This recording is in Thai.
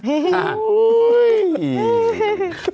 โอ้โห